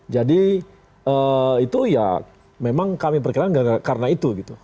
jadi itu ya memang kami percaya karena itu